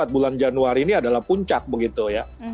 empat bulan januari ini adalah puncak begitu ya